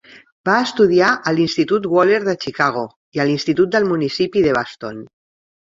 Va estudiar a l'institut Waller a Chicago i a l'institut del municipi d'Evaston.